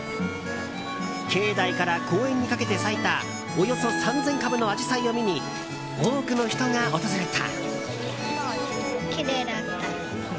境内から公園にかけて咲いたおよそ３０００株のアジサイを見に多くの人が訪れた。